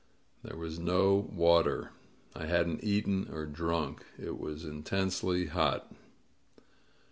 There was no water. I hadn't eaten or drunk. It was intensely hot.